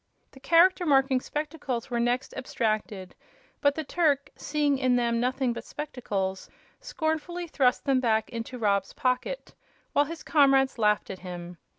The Character Marking Spectacles were next abstracted, but the Turk, seeing in them nothing but spectacles, scornfully thrust them back into Rob's pocket, while his comrades laughed at him.